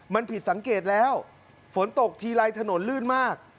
มันผิดสังเกตแล้วฝนตกทีไรถนนลื่นมาก